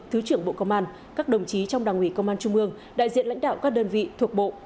thứ trưởng bộ công an các đồng chí trong đảng ủy công an trung ương đại diện lãnh đạo các đơn vị thuộc bộ